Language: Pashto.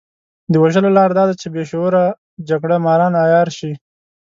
د وژلو لاره دا ده چې بې شعوره جګړه ماران عيار شي.